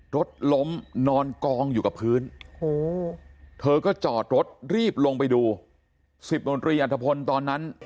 รถล้มนอนกองอยู่กับพื้นเธอก็จอดรถรีบลงไปดู๑๐ดนตรีอัฐพลตอนนั้น